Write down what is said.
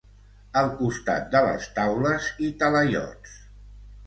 Al costat de les taules i talaiots.